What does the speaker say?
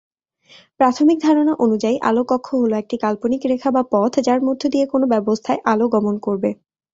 প্রাথমিক ধারণা অনুযায়ী, আলোক অক্ষ হলো একটি কাল্পনিক রেখা বা পথ, যার মধ্য দিয়ে কোনো ব্যবস্থায় আলো গমন করবে।